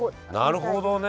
なるほどね。